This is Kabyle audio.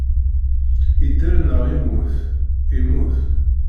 Idder neɣ immut? Immut.